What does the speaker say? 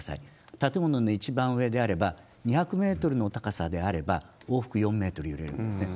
建物の一番上であれば、２００メートルの高さであれば、往復４メートル揺れるんですね。